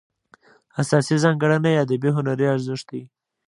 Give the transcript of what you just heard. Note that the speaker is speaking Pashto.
اساسي ځانګړنه یې ادبي هنري ارزښت دی.